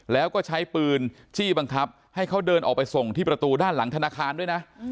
แล้วก็ใช้ปืนจี้บังคับให้เขาเดินออกไปส่งที่ประตูด้านหลังธนาคารด้วยนะ